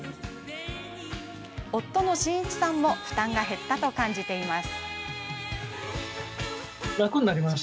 夫の伸一さんも負担が減ったと感じています。